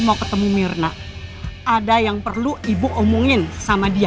mau ketemu mirna ada yang perlu ibu omongin sama dia